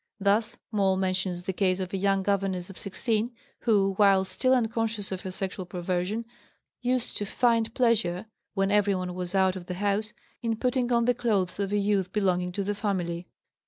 Thus, Moll mentions the case of a young governess of 16 who, while still unconscious of her sexual perversion, used to find pleasure, when everyone was out of the house, in putting on the clothes of a youth belonging to the family.